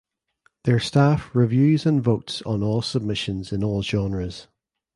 Their staff reviews and votes on all submissions in all genres.